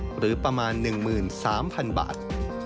หรือประมาณ๑๓๐๐๐บาท